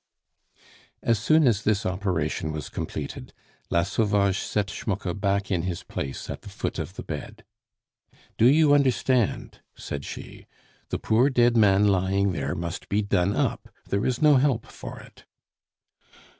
As soon as this operation was completed, La Sauvage set Schmucke back in his place at the foot of the bed. "Do you understand?" said she. "The poor dead man lying there must be done up, there is no help for it."